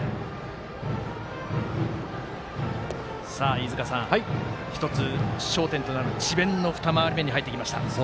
飯塚さん、１つ焦点となる智弁の２回り目に入ってきました。